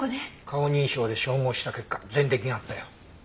顔認証で照合した結果前歴があったよ。